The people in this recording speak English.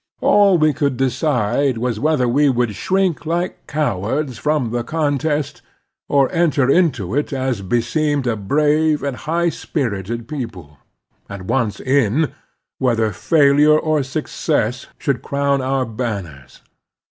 All we could decide was whether we should shrink like cowards from the contest, or enter into it as beseemed a brave and high spirited people ; and, once in, whether failure or success should crown our banners.